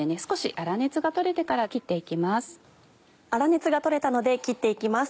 粗熱が取れたので切って行きます。